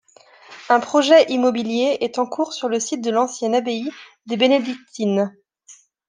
Un projet immobilier est en cours sur le site de l'ancienne abbaye des bénédictines.